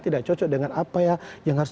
tidak cocok dengan apa ya yang harus